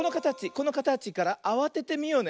このかたちからあわててみようね。